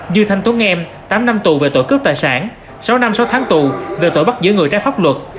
dư thanh tố nghem tám năm tù về tội cướp tài sản sáu năm sáu tháng tù về tội bắt giữa người trái pháp luật